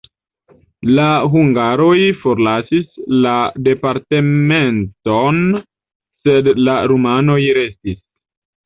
La hungaroj forlasis la departementon, sed la rumanoj restis.